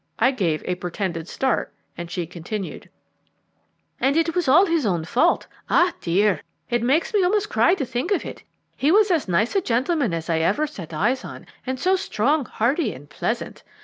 I gave a pretended start, and she continued, "And it was all his own fault. Ah, dear! it makes me almost cry to think of it. He was as nice a gentleman as I ever set eyes on, and so strong, hearty, and pleasant.